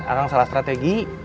akang salah strategi